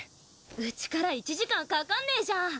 うちから１時間かかんねえじゃん！